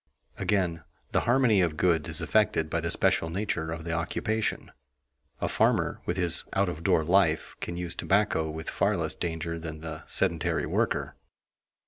Again, the harmony of goods is affected by the special nature of the occupation. A farmer with his out of door life can use tobacco with far less danger than the sedentary worker.